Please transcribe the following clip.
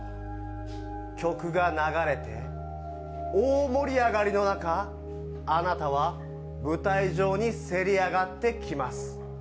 曲が流れて、大盛り上がりの中、あなたは舞台上にせり上がってきます。